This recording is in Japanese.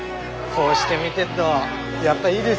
こうして見でっとやっぱいいですね。